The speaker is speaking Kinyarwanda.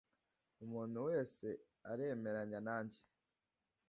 Umuntu wese aremeranya nanjye